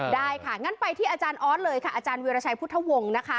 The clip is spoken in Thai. ได้ค่ะงั้นไปที่อาจารย์ออสเลยค่ะอาจารย์วิราชัยพุทธวงศ์นะคะ